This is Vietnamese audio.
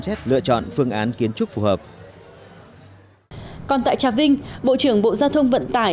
xét lựa chọn phương án kiến trúc phù hợp còn tại trà vinh bộ trưởng bộ giao thông vận tải